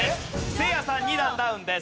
せいやさん２段ダウンです。